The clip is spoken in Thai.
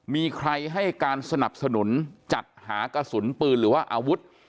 มีใครให้การสนับสนุนจัดหากระสุนปืนหรือว่าอาวุธ